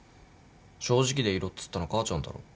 正直でいろっつったの母ちゃんだろ。